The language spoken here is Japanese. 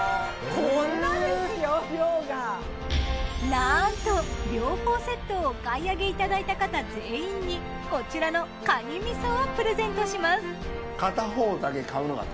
なんと両方セットをお買い上げいただいた方全員にこちらのかに味噌をプレゼントします。